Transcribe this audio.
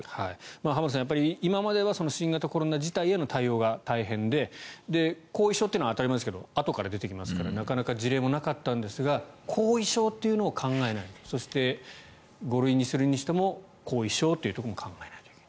浜田さん、今までは新型コロナ自体への対応が大変で後遺症というのは当たり前ですけどあとから出てきますからなかなか事例もなかったんですが後遺症というのを考えないとそして、５類にするにしても後遺症も考えないといけない。